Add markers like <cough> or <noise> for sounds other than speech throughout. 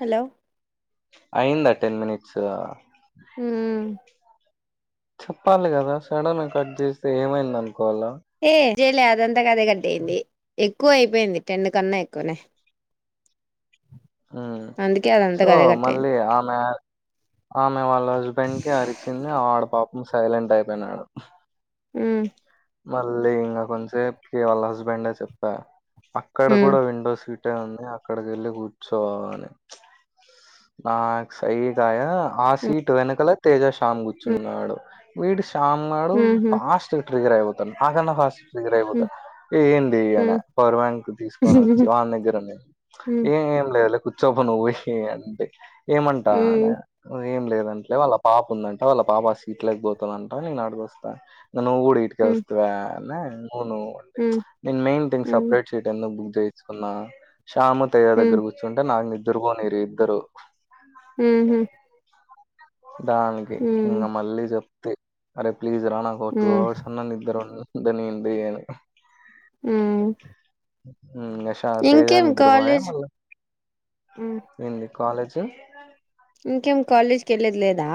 Hello! I'm ten minutes ఉమ్ చెప్పాల్ గదా సడన్ కట్ చేస్తే ఏమైందనుకోవాలా ఏ చేయలే అదంత కదే కట్ అయింది ఎక్కువ అయిపోయింది టెన్ కన్నా ఎక్కువనే మ్ అందుకే అదంతా సో గదే కట్ అయింది మళ్ళీ ఆమె ఆమె వాళ్ళ హస్బెండ్కి అరి చ్చింది ఆ ఆడు పాపం సైలెంట్ అయిపొయినాడు. మ్ మళ్ళీ ఇంగ కొంసేప్కి వాళ్ళ హస్బెండే చెప్తా అక్కడ గుడా విండో సీటే ఉన్నయ్ అక్కడికెళ్ళి కూర్చోవాలె. నాక్ సైట్ ఆయా ఆ సీట్ వెనకలె తేజష్ షామ్ కూర్చున్నాడు, వీడు షామ్ గాడు ఫాస్ట్ ట్రిగర్ అయిపోతున్ నా కన్నా ఫాస్ట్ ట్రిగర్ అయిపోత ఏంది అని పవర్ బ్యాంక్ తీస్కొన్ వచ్చి వాన్ దగ్గర ఉంది ఏం లేదులే కూర్చోపో నువ్ బొయ్ అంటి ఏమంటా అన ఏం లేదంట్లే వాళ్ళ పాప ఉందంట వాళ్ళ పాప ఆ సీట్లక్ పోతదంట నేన్ ఆడికొస్తా. నువ్వు గుడ ఈడికే వస్తివా అనే అవును నేన్ మెయిన్ థింగ్ సపరేట్ ఎటన్న బుక్ చేయిచ్చుకున్నా శ్యామ్, తేజ దగ్గర కూర్చుంటే నాకు నిద్దరబోనియర్ ఈ ఇద్దరు మ్ హ్ దానికి ఇంకా మళ్ళీ చెప్తే అరే ప్లీజ్ రా నాకో టూ అవర్స్ అన్నా నిద్దరుండ దాన్ని ఎంబి అని మ్ మ్ ఇంగ శా తేజ నిద్రపోయా కాలేజ్ మళ్ళ ఏంది కాలేజ్ ఇంకేం కాలేజ్ కెళ్లేద్ లేదా?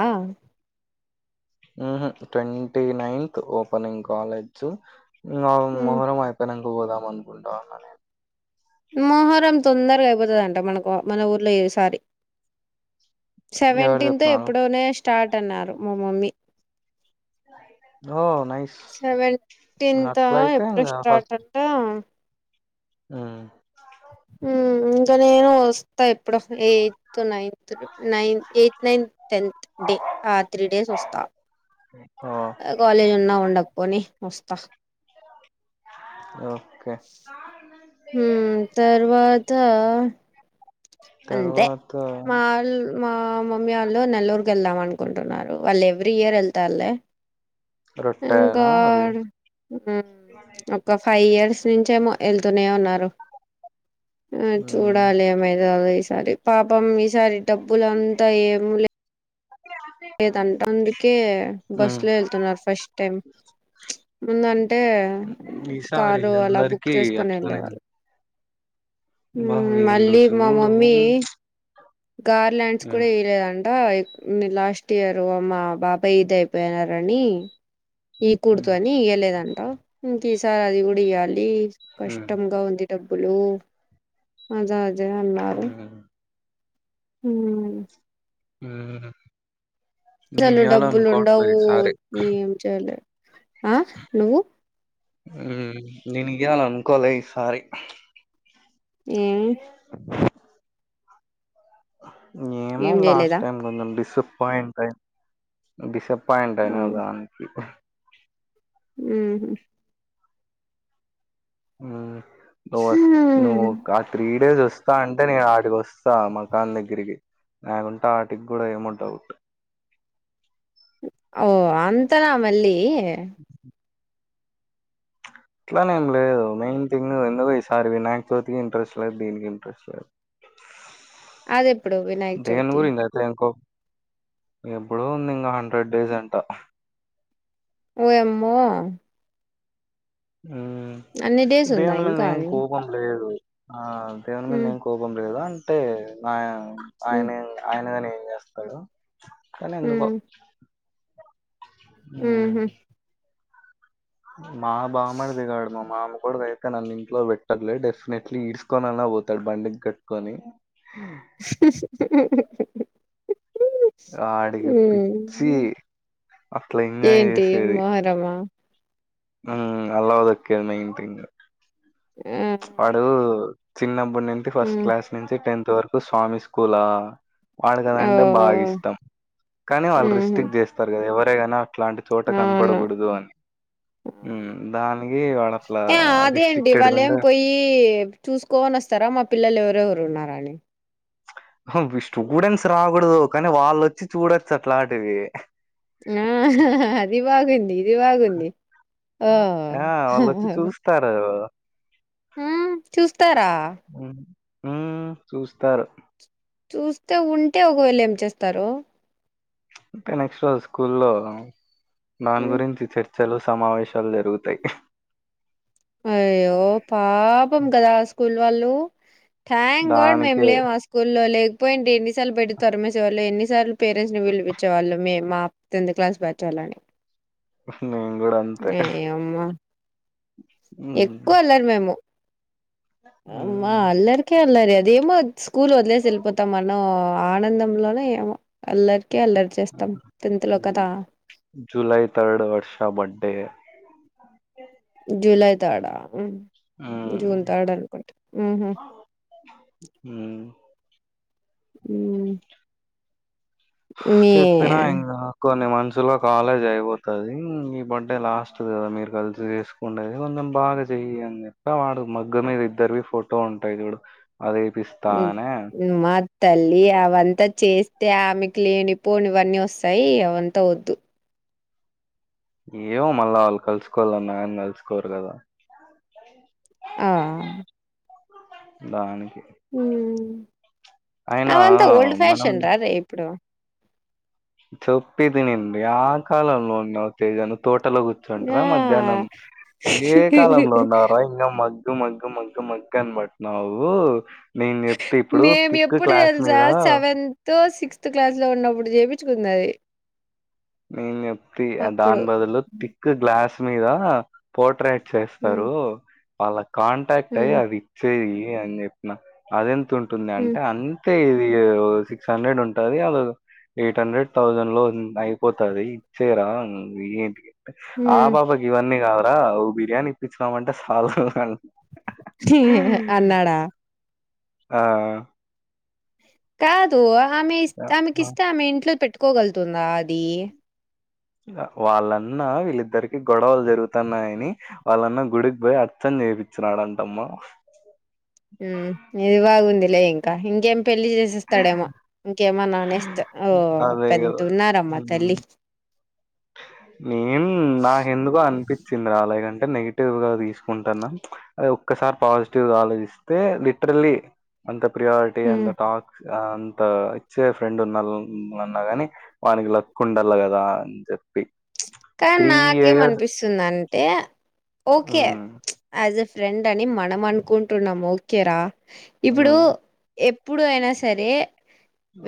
మ్ హ్ ట్వంటీ నైన్త్ ఓపెనింగ్ కాలేజ్ మాకు మొహరం అయిపొయినం పోదాం అనుకుంటాన్న నేన్ మోహరం తొందర్గ అయిపోతదంట మనకు మన ఊర్లో ఈసారి నేను ఎవరు సెవెంటీన్త్ చెప్తున్నారు ఎప్పుడోనే స్టార్ట్ అన్నారు మా మమ్మీ ఓ నైస్ ఇంగ సెవెంటీన్తా అట్లయితే ఎప్పుడో ఇంగ స్టార్ట్ ఫస్ట్ మ్ మ్ ఇంక నేను వస్ తా ఎప్పుడ్ వస్త eighth, ninth nine eighth, ninth, tenth day ఆ త్రీ డేస్ వస్తా. ఆ కాలేజ్ ఉన్నా ఉండక్ పోని వస్త. ఓకే మ్ తర్వాత అంతే తర్వాత వాళ్లు మా మమ్మీ వాళ్ళు నెల్లూరుకేళ్దాం అనుకుంటున్నారు వాళ్ళు ఎవ్రీ ఇయర్ వెళ్తారులే రొట్టెనా అది ఇంకాడ్ మ్ ఒక ఫైవ్ ఇయర్స్ నుంచేమో ఎళ్తూనే ఉన్నారు ఆ మ్ చూడాలి ఏమైతాదో ఈసారి పాపం ఈసారి డబ్బలంత ఏమ్లే అక్కడే ఆగు లేదంట అందుకే బస్ లో వెళ్తున్నారు ఫస్ట్ టైం ముందంటే ఈసారి కారు అలా బుక్ అందరికి చేసుకుని వెళ్ళే అట్లనే వాళ్ళు అబ్బా మ్ వీళ్ళు మళ్ళీ మా చూడు మమ్మీ మ్ గార్లాండ్స్ మ్ కూడా ఎయ్యాలేదాంట లాస్ట్ ఇయరు మా బాబాయ్ ఇదయిపోయినారని ఈ కూడుతోని ఇయ్య లేదంట ఇంక ఈసారి అది కూడా ఇయ్యాలి మ్ కష్టంగా ఉంది డబ్బులు అదే అదే అన్నారు మ్ మ్ మ్ స్సలు డబ్బులు ఉండవు ఈసారి. ఏంచేయాలి ఆ నువ్వు మ్ నేను ఇయ్యాల అనుకోలే ఈసారి ఏమి ఏమో ఏం లాస్ట్ చేయలేదా టైం కొంచం డిసప్పాయింట్ అయ్యింది డీస పాయింట్ అయినా దానికి మ్ హు మ్ నువోస్ నువ్వు కా త్రీ డేస్ వస్తా అంటే నేను వాటికి వస్తా మకాన్ దగ్గరికి నాగుంట వాటిగ్గూడా ఏమో డౌట్ ఓ అంతనా మళ్ళీ ట్లానేం లేదు మెయిన్ థింగ్ ఎందుకో ఈసారి వినాయక చవితికి ఇంట్రెస్ట్ లేదు దీనికి ఇంట్రెస్ట్ లేదు అదెప్పుడు వినాయక దెని చవితి గురించద్ ఇంకో ఎప్పుడు ఉంది ఇంకా హండ్రెడ్ డేస్ అంట ఓయమ్మో మ్ అన్ని డేస్ ఉందా దేవుని మింద ఇంకా ఎం అది కోపం లేదు ఆ దేవుని ఉమ్, మీంద ఎం కోపం లేదు అంటే నా ఉమ్, ఆయన ఆయన కాని ఏం చేస్తడు కానీ ఎందుకో ఉమ్, మ్ ఉమ్హు. మా బామ్మర్థి గాడు మా మామ్ కూడా రై ఇక్క నన్ను ఇంట్లో పెట్టర్లే డెఫినెట్లీ ఈడ్స్కొని అన్నా పోతాడు బండిక్కట్టుకొని ఆడికి మ్ పిచ్చి అట్లా ఎంజాయ్ ఏంటి మొహరమా మ్ అల్లా దొరికింది మీ ఇంటిల్లు ఆ వాడు చిన్నప్పుడి నుంచి ఫస్ట్ ఉమ్, క్లాస్ నుంచి టెన్త్ వరకు స్వామి స్కూలా ఓ వాడికదంటే బాగిష్టం కానీ వాళ్ళు ఉమ్హు. రిస్ట్రిక్ట్ చేస్తారు కదా ఎవరైనా అట్లాంటి చోట అవును కనపడకూడదు అని అవును దానికి వాడట్లా రిస్ట్రిక్ట్డ్ గుండు రీ చూసుకోవన్నా వస్తారా మా పిల్లలు ఎవరెవరు ఉన్నారని స్టూడెంట్స్ రాకూడదు కానీ వాళ్ళోచ్చి చూడొచ్చు అట్లాంటివి ఆ అది బాగుంది ఇది బాగుంది ఓ ఆ వాళ్ళు <unintelligible> హ్మ్ చూస్తారా హ్మ్ చూస్తారు చూస్తే ఉంటే ఒకవేళ ఏం చేస్తారు అంటే నెక్స్ట్ రోజు స్కూల్లో దాని హ్మ్. గురించి చర్ సెలవు సమావేశాలు జరుగుతయ్ అయ్యో పాపం కదా ఆ స్కూల్ వాళ్ళు థ్యాంక్ గాడ్ మేము దానికే లేమ్ ఆ స్క్ స్కూల్లో లేకపోయిన్టె ఎన్నిసార్లు బయటికి తరిమేసేవాలొ ఎన్నిసార్లు పేరెంట్స్ ని పిలిపించేవాలొ మేమ్ మా టెంత్ క్లాస్ బచ్ఛాలని నేను కూడా అంతే ఎ ఏమ్ ఉమ్, ఎక్కువ్ అల్లర్ మేము ఆ ఉమ్, అల్లరికే అల్లరి అదేమో స్కూల్ వదిలేసి వెళ్ళిపోతాం మనో ఆనందంలోనే ఏమ్ అల్లర్కె అల్లర్ చేస్తాం టెన్త్ లొ కదా July third Varsha birthday July థర్డా హ్మ్ జూన్ థర్డ్ అనుకున్టి హ్మ్ హ్మ్ హ్మ్ మీ చెప్పినా ఇంగ కొన్ని మంత్సు లో కాలేజ్ అయిపోతాది హ్మ్ ఈ బర్డే లాస్ట్ కదా మీరు కల్సి ఉండెది కొంచెం బాగా చెయ్య అన్ చెప్ప వాడు మగ్గ మీద ఇద్దర్వి ఫోటో ఉంటయ్ జూడు అదేపిస్త హ్మ్. అని అన్నడ్ మా తల్లి అవంతా చేస్తే ఆమెకు లేని పోని అవన్నీ వస్తయ్ అవంత వద్దు ఏమో మళ్ళా వాల్ కలుసుకోవాలన్న గాని కలుసుకోరు కదా ఆ ఆ దానికి హ్మ్ అయినా మన అదే ఎప్పుడు చెప్పదినిండి ఆ కాలంలో వున్నావ్ తేజా నువ్వు తోటలొ ఆ కూర్చుంట్రా మధ్యాహ్నం ఏ కాలంలో ఉన్నావ్ మగమ్ మగమ్ మగమ్ మగ్ అన్ బట్నావు మేమ్ చెప్తే ఇప్పుడు తిక్ క్లాస్ మీద తో సిక్స్త్ క్లాస్ లో ఉన్నప్పుడు చేపిన్చుకుంది అది నేను చెప్తి అప్పుడు దాని బదులు తిక్ గ్లాస్ మీద పోర్ట్రేట్ హ్మ్ చేస్తారు వాళ్ళ కాంటాక్ట్ అయ్యి హ్మ్ అది ఇచ్చేయి అన్ చెప్ న అది ఎంతుంటుంది హ్మ్ అంటే అ అతే ఇది సిక్స్ హండ్రెడ్ ఉంటది అది ఎయిట్ హండ్రెడ్ థౌజండ్ లో అ పోతది ఇచ్చేయ్ రా హ్మ్ <unintelligible> ఇవన్నీ కాదురా ఒ బిర్యానీ ఇప్పిచిన్నవంటే సాల్ రా అన్నాడా ఆ కాదు ఆమె యాహ్! ఇష్టామే ఆ! ఆమెకిష్టామే ఇంట్లో పెట్టుకోగలుతుందా అది వాళ్ళన్నా వీళ్ళిద్దరికి గొడవలు జరుగుతున్నాయన్ వాళ్ళన్నా గుడికి పోయి అర్చన్ చెపించిన్నాడన్టమ్మా హ్మ్ ఇది బాగుందిలే ఇంకా ఇంకేం పెళ్లి చేస్ జ్యూస్తాడేమో ఇంకేమో నానేస్త్ ఆ ఓ అదే పెద్ద గదా! ఉన్నారమ్మా హ్మ్. తల్లి నేను నాకెందుకొ అన్పించింది అలాగన్టే నెగిటివ్ గా తీసుకుంటన్నా అది ఒక్కసారి పాజిటివ్గా ఆలోచిస్తే లిటరలీ అంత ప్రియారిటీ అంత హ్మ్ టాక్ అంత ఇచ్చే ఫ్రెండ్ ఉన్న నల్ల గాని వానికి లక్ ఉండల కదా అని చెప్పి కానీ ఇయర్స్ నాకేమనిపిస్తుందంటే ఓకే హ్మ్. యాజ్ ఎ ఫ్రెండ్ అని మనం అనుకుంటున్నాము ఓకేరా ఇప్పుడు హ్మ్. ఎప్పుడు అయినా సరే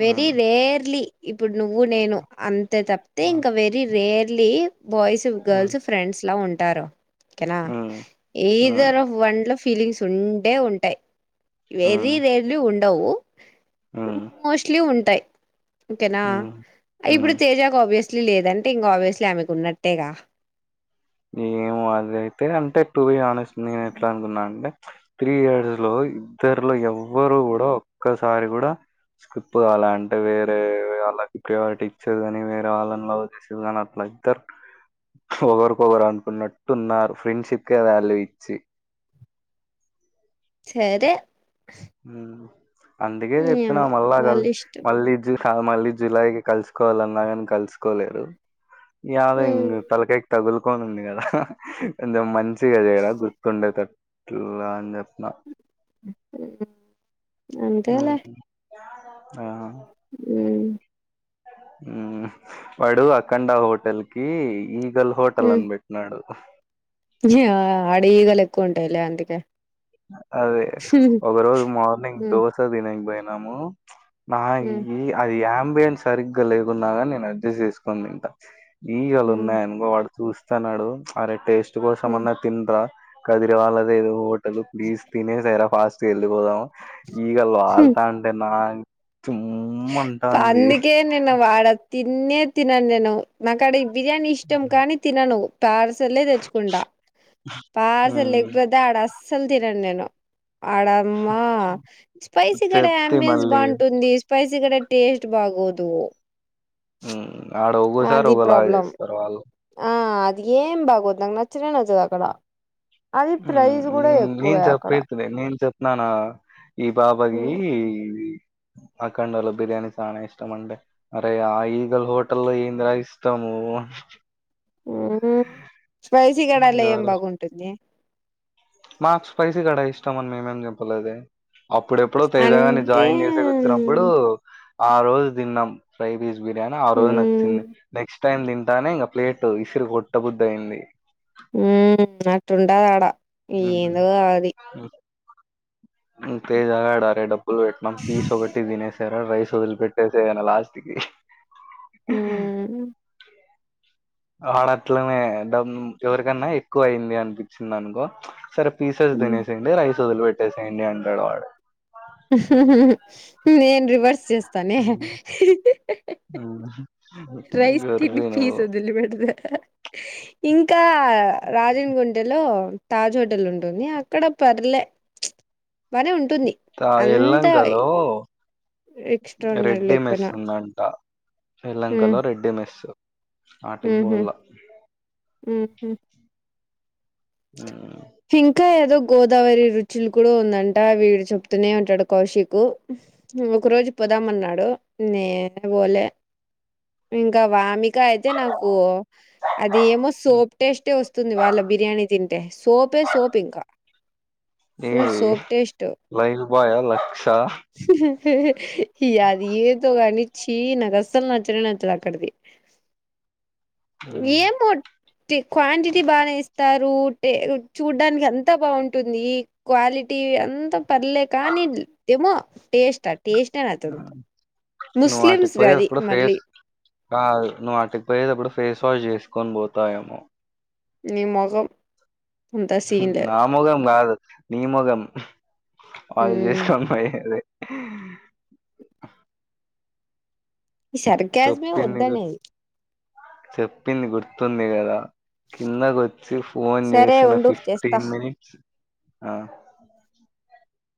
వెరి రేర్లీ ఇప్పుడు నువ్వు నేను అంతే తప్పితే హ్మ్. ఇంకా వెరీ రేర్లీ బాయ్స్ హ్మ్. గర్ల్స్ ఫ్రెండ్స్ లా ఉంటారు ఓకేనా హ్మ్ హ్మ్ ఈదర్ఫ్ వంల ఫీలింగ్స్ ఉండే ఉంటాయి వెరీ హ్మ్ రేర్ లు ఉండవు హ్మ్ మోస్ట్లీ ఉంటాయి ఓకేనా హ్మ్ ఇప్పుడు హ్మ్. తేజాకు ఆబ్వియస్లీ లేదంటే ఇంకా ఆబ్బవియస్లీ ఆమెకు ఉన్నట్టేగా ఏమొ అదయితే అంటే టూబి ఆనేస్ట్ నేను ఎట్లా అనుకున్నాను అంటే త్రీ ఇయర్స్ లో ఇద్దరులో ఎవ్వరు కూడా ఒక్కసారి కూడా స్క్రిప్ కాలె అంటే వేరే వాళ్ళకి ప్రియారిటీ ఇచ్చేది కానీ వేరే వాళ్ళని లవ్ చేసేది కాని అట్లా తరు ఒకరికొకరు అనుకున్నట్టు ఉన్నారు ఫ్రెండ్షిప్కే వాల్యూ ఇచ్చి సరే ఊ అందుకే చెప్పినా ఏమో మళ్ళా వాళ్ళ కలిసి ఇష్టం మళ్ళీ ఇది చూస్ కా మళ్ళీ జులై కి కలుసుకోవాల అన్నా గాని కలుసుకోలేరు యాద ఉమ్, ఇంగు తలకాకి తగులుకొని ఉంది కదా కొంచం మంచిగా చెయ్ రా గుర్తుండేటటు టులా అని చెప్పిన ఉమ్, అంతేలే ఉహు అహ ఊ ఊ వాడు అఖండ హోటెల్కి ఈగల్ హోటెల్ ఉమ్. అన్బెట్ కున్నాడు యా అడ ఈగ లెకువ ఉంటాయిల్ అందుకే అదే ఉమ్, ఒక రోజు మార్నింగ్ ఉమ్, దోశ తిననికిపోయినాము ఉమ్, నాకి అది అంబియన్స్ సరిగ్గా లేకున్నాగాని నేను అడ్జస్ట్ చేసుకోని తింట ఈగలు ఉమ్, ఉన్నాయనుకో వాడు చూస్తాన్నాడు ప్చ్ అరే టేస్ట్ కోసం అన్న తినరా కదిరి వాళ్ళదేదో హోటల్ ప్లీస్ తినేసరా ఫాస్ట్ గా వెళ్ళిపోదాం ఈగల్ ఉమ్. ఆల్తా అంటే నాక్ అందుకే నేను వాడ తిన్నే తినను నేను నా కడ బిర్యానీ ఇష్టం కానీ తినను పార్స్ సలె తెచ్చుకుంటా పార్సల్ ఉమ్ లేకపోతే ఆడా అస్ సల్ తినను నేను ఆడ అమ్మ స్పైసీ గడ చెప్తి ఆంబియన్స్ మళ్ళీ బాగుంటుంది స్పైసీ కడ టేస్ట్ బాగోదు ఊ ఆడ ఒగోసార్ అది ఒగోలాగా ప్రాబ్లం చేస్తారు వాళ్ళు ఆ అది ఏం బాగోద్దు నాకు నచ్చలే నచ్చదు అక్కడ అది ప్రైజ్ కూడా ఎక్కువే అక్కడ రె నేను చెప్నా నా ఈ బాబాకి హ్మ్. అకండలో బిర్యానీ చనా ఇష్టమండి అరే ఆ ఈగల్ హోటల్లో ఏంద్రా ఇష్టము ఉహు స్పైసీ గడా అట్లా ఏం బాగుంటుంది మాక్ స్పైసీ కాడ ఇష్టంమని మేమేం చెప్పలేదే అప్పుడెప్పుడో తేజగాన్ని అంటే జాయిన్ చేసేకు వచ్చినప్పుడు ఆ రోజు తిన్నాం ఫ్రై పీస్ బిర్యానీ ఆ రోజు హ్మ్. నచ్చింది నెక్స్ట్ టైం తింటానే ఇంకా ప్లేట్ ఇసురుకొట్ట బుద్దెఅయింది మ్మ్ అట్లుంటాది ఆడ ఏందో అది తెజగాడే అరే డబ్ డబ్బులు పెట్టనాం పీస్ ఒకటి తినేసారా రైస్ వదిలి పెట్టేసై అన లాస్ట్ కి ఉ హ్మ్ ఆడట్లనే డబ్ ఎవరికన్నా ఎక్కువ అయింది అనిపించింది అనుకో ప్చ్ సరే పీసెస్ తినేసయండి రైస్ వదిలి పెట్టేసేయండి అంటాడు వాడు నేను రివర్స్ చేస్తనే అవునా రైస్ తిని పీస్ వదలి పెడతా ఇంకా రాజన్ గున్ టలో తాజ్ హోటల్ ఉంటుంది అక్కడ పర్లే ప్చ్ బానే ఉంటుంది ఆ అంతా ఎల్లంకలో ఎక్స్ట్ ట్రార్డినరి లేకపోయినా శ్రీలంక హ్మ్ లో రెడ్డి మెస్ వాటిక్ పోవాలా మ్ హు మ్ ఇంకా ఏదో గోదావరి రుచులు కూడా ఉందంట వీడు చెప్తూనే ఉంటాడు కౌశిక్ ఒక రోజు పోదామన్నాడు నేనే పోలే ఇంకా వామిక అయితే నాకు అది ఏమొస్ సోప్ టేస్టే వస్తుంది వాళ్ళ బిర్యానీ తింటే సోపే సోప్ ఇంకా ఫుల్ ఏయ్ సోప్ లైఫ్ బాయ్ ఆ లక్స్ ఆ ఈ అది ఏదో కాని ఛీ నాకు అస్సలు నచ్చనే నచ్చల అక్కడిది ఉమ్. ఏమో టి క్వాంటిటీ బానే ఇస్తా రూ టే చూడ్డానికి అంతా బాగుంటుంది క్వాలిటీ అంత పర్లే కాని ఏమో టేస్ట్ టేస్ట్ నచ్చదు నువ్వు వాటి కి ముస్లిమ్స్ అది పోయిప్పుడు మళ్ళీ ఫేస్ కాదు నువ్వు వాటికీ పోయేతప్పుడు ఫేస్ వాష్ చేసుకొని పోతావేమో నీ మొఖం అంత సీన్ నా లేదు ముఖం కాదు నీ ముఖం వాళ్ళు చేసుకోని పోయేది హ ఈ సర్కాజమే చెప్పింది గుర్ వద్దనేది చెప్పింది గుర్తుంది గదా కిందకొచ్చి ఫోన్ సరే చేసిన ఉండు చేస్తా ఫిఫ్టీన్ మినిట్స్ ఆ